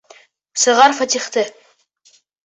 Сығар Фәтихте!